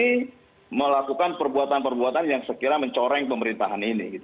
kami melakukan perbuatan perbuatan yang sekiranya mencoreng pemerintahan ini